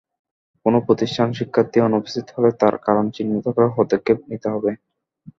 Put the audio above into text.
কোনো প্রতিষ্ঠানে শিক্ষার্থী অনুপস্থিত হলে তার কারণ চিহ্নিত করে পদক্ষেপ নিতে হবে।